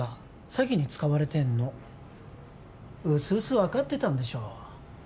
詐欺に使われてんのうすうす分かってたんでしょ